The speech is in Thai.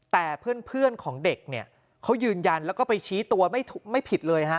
แต่เพื่อนของเด็กเนี่ยเขายืนยันแล้วก็ไปชี้ตัวไม่ผิดเลยฮะ